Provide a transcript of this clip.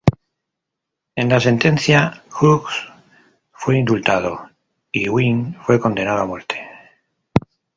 En la sentencia, Hughes fue indultado y Gwyn fue condenado a muerte.